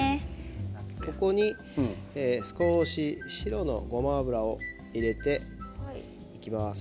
ここに少し白のごま油を入れていきます。